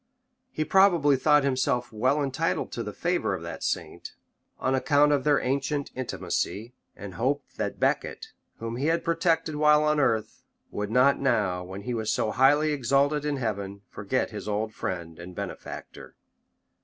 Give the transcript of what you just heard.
He probably thought himself well entitled to the favor of that saint, on account of their ancient intimacy; and hoped that Becket, whom he had protected while on earth, would not now, when he was so highly exalted in heaven, forget his old friend and benefactor.